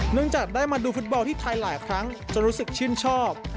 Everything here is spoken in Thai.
เนื่องจากได้มาดูฟุตบอลที่ไทยหลายครั้งจนรู้สึกชื่นชอบ